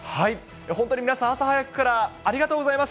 本当に皆さん、朝早くからありがとうございます。